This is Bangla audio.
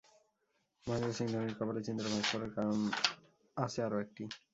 মহেন্দ্র সিং ধোনির কপালে চিন্তার ভাঁজ পড়ার কারণ আছে আরও একটি।